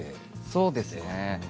そうですね。